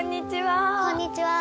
こんにちは。